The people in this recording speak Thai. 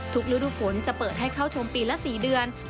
ฤดูฝนจะเปิดให้เข้าชมปีละ๔เดือน